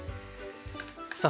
さあ